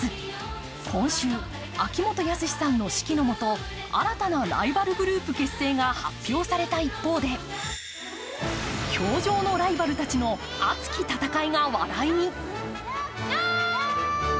今週、秋元康さんの指揮のもと、新たなライバルグループ結成が発表された一方で、氷上のライバルたちの熱き戦いが話題に。